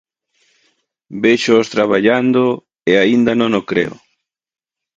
Véxoos traballando e aínda non o creo.